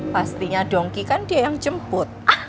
pastinya dongki kan dia yang jemput